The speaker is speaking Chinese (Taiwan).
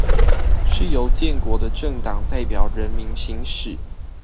是由建國的政黨代表人民行使